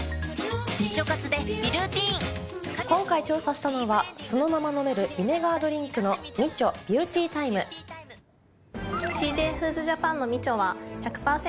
今回調査したのはそのまま飲めるビネガードリンクの美酢ビューティータイムＣＪＦＯＯＤＳＪＡＰＡＮの美酢は１００％